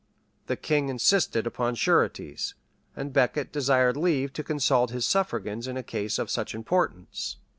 The king insisted upon sureties; and Becket desired leave to consult his suffragans in a case of such importance.